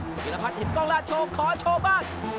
เทียนละพัดเห็นกองลาโชว์ขอโชว์บ้าง